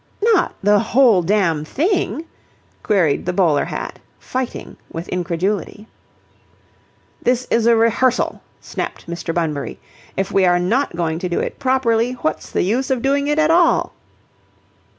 "Not the whole damn thing?" queried the bowler hat, fighting with incredulity. "This is a rehearsal," snapped Mr. Bunbury. "If we are not going to do it properly, what's the use of doing it at all?"